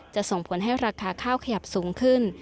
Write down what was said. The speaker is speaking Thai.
ส่งผลให้ราคาข้าวขยับสูงขึ้น